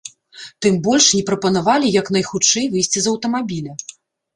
Тым больш, не прапанавалі як найхутчэй выйсці з аўтамабіля.